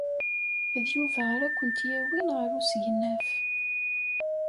D Yuba ara kent-yawin ɣer usegnaf.